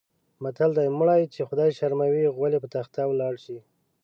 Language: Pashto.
متل دی: مړی چې خدای شرموي غول یې په تخته ولاړ شي.